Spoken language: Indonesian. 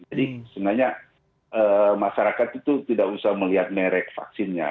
jadi sebenarnya masyarakat itu tidak usah melihat merek vaksinnya